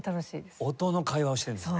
音の会話をしてるんですね。